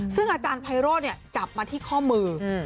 ซึ่งอาจารย์ไพโรธจับมาที่ข้อมือ